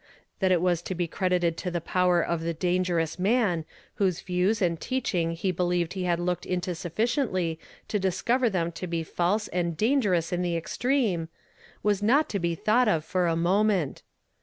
That it v/as to be credited to the povver of (i I WILL NOT REFRAIN MY LIPS. »> 81 the dangerous man, whose views and teaching he helieved he liad looked into sufficiently to discover them to be false and dangerous in the extreme, was not to be thought of for a moment.